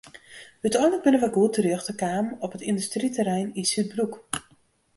Uteinlik binne wy goed terjochte kaam op it yndustryterrein yn Súdbroek.